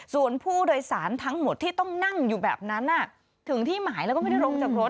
ส่วนผู้โดยสารทั้งหมดที่ต้องนั่งอยู่แบบนั้นถึงที่หมายแล้วก็ไม่ได้ลงจากรถ